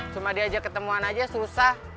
cuma diajak ketemuan aja susah